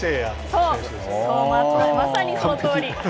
そう、まさにそのとおり。